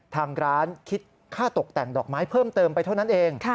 ทางร้านคิดค่าตกแต่งดอกไม้เพิ่มเติมไปเท่านั้นเอง